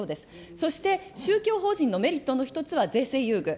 そして宗教法人のメリットの一つは税制優遇。